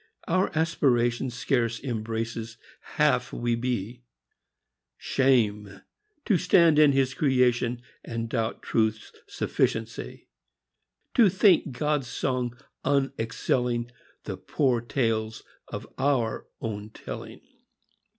Our aspiration Scarce embraces half we be. Shame ! to stand in His creation And doubt Truth's sufficiency! To think God's song unexcelling The poor tales of our own telling.